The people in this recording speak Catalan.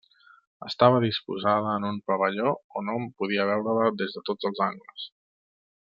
Estava disposada en un pavelló on hom podia veure-la des de tots els angles.